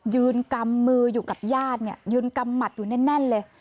ยืนกำมืออยู่กับญาติเนี่ยยืนกำหมัดอยู่แน่นเลย